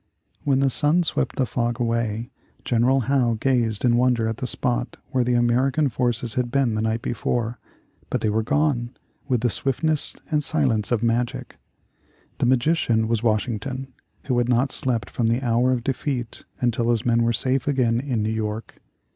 When the sun swept the fog away, General Howe gazed in wonder at the spot where the American forces had been the night before. But they were gone, with the swiftness and silence of magic! The magician was Washington, who had not slept from the hour of defeat until his men were safe again in New York.